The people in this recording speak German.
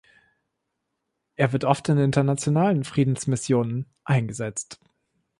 Er wird oft in internationalen Friedensmissionen eingesetzt.